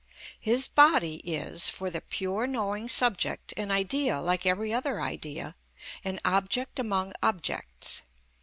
His body is, for the pure knowing subject, an idea like every other idea, an object among objects.